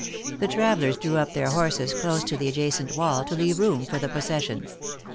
The travelers drew up their horses close to the adjacent wall, to leave room for the pro cession.